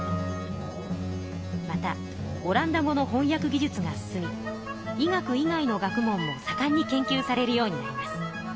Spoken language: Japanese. またオランダ語のほんやく技術が進み医学以外の学問もさかんに研究されるようになります。